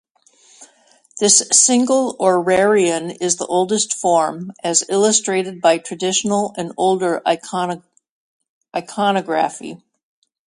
This single orarion is the oldest form, as illustrated in traditional and older iconography.